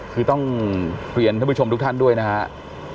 คือต้องเรียนท่านผู้ชมทุกท่านด้วยนะครับ